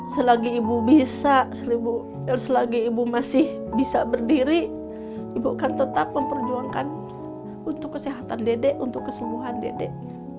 selagi ibu bisa selagi ibu masih bisa berdiri ibu akan tetap memperjuangkan untuk kesehatan dedek untuk kesungguhan dedek